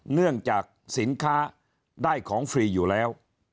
เนื่องจากสินค้าได้ของฟรีอยู่แล้ว